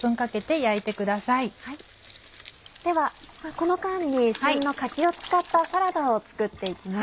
この間に旬の柿を使ったサラダを作って行きます。